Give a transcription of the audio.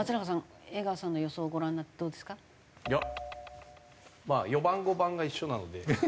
いやまあ４番５番が一緒なので。